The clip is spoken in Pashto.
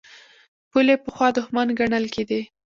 پولې پخوا دښمن ګڼل کېدې.